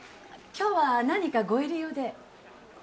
今日は何かご入り用で？